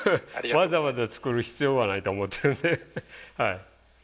わざわざ作る必要はないと思ってるんで。